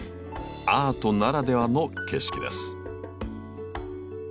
アートならではの景色です。